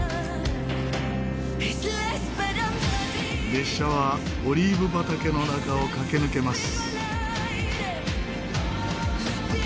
列車はオリーブ畑の中を駆け抜けます。